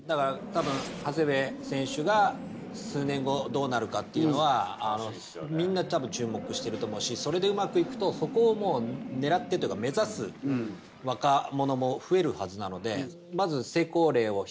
長谷部選手が数年後どうなるかっていうのはみんな注目してると思うしそれでうまくいくとそこを狙ってというか目指す若者も増えるはずなので。